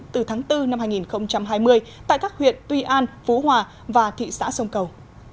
từ tháng bốn năm hai nghìn hai mươi tại các huyện tuy an phú hòa và thị xã sông cầu